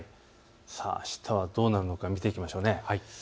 あしたはどうなるのか見ていきましょう。